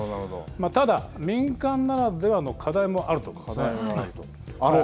ただ、民間ならではの課題もあると思いますね。